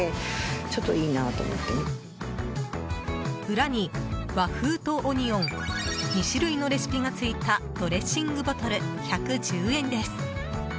裏に和風とオニオン２種類のレシピが付いたドレッシングボトル１１０円です。